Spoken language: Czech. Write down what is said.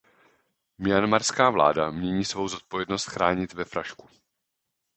Myanmarská vláda mění svou zodpovědnost chránit ve frašku.